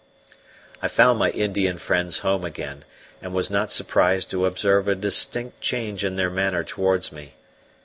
I found my Indian friends home again, and was not surprised to observe a distinct change in their manner towards me.